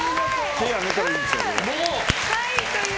手上げていいんですよね。